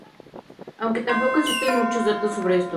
Aunque tampoco existen muchos datos sobre esto.